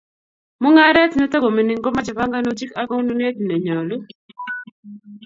Mungaret netakomining' komache panganutik ak konunet nenyolu